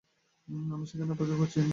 আমি সেখানে অপেক্ষা করছি।